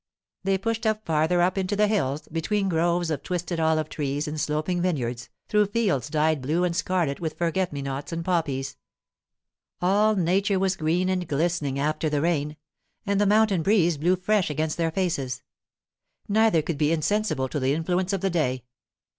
They pushed on farther up into the hills, between groves of twisted olive trees and sloping vineyards, through fields dyed blue and scarlet with forget me nots and poppies. All nature was green and glistening after the rain, and the mountain breeze blew fresh against their faces. Neither could be insensible to the influence of the day.